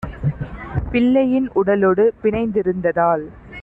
பிள்ளையின் உடலொடு பிணைந்தி ருந்ததால்